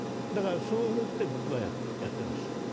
だからそう思って僕はやってました。